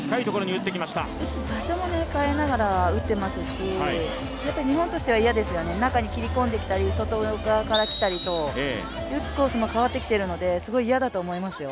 打つ場所も変えながら打ってますし、日本としては嫌ですよね、中に切り込んできたり、外側から来たりと打つコースも変わってきていますので、すごく嫌だと思いますよ。